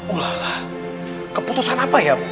ulala keputusan apa ya